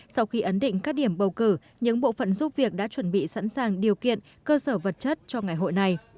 sau khi ấn định các điểm bầu cử những bộ phận giúp việc đã chuẩn bị sẵn sàng điều kiện cơ sở vật chất cho ngày hội này